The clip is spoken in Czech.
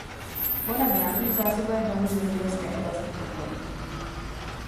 Voda z nádrže zásobuje hlavně zemědělské oblasti v okolí.